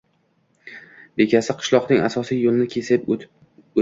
Bekasi qishloqning asosiy yo`lini kesib o`tdi